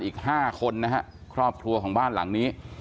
อีก๕คนนะฮะครอบครัวของบ้านหลังนี้